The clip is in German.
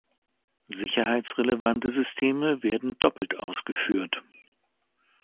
Sicherheitsrelevante Systeme werden doppelt ausgeführt.